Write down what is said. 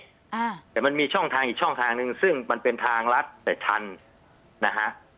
อ่าแต่มันมีช่องทางอีกช่องทางหนึ่งซึ่งมันเป็นทางลัดแต่ทันนะฮะ